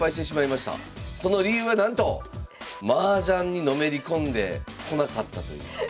その理由はなんとマージャンにのめり込んで来なかったという。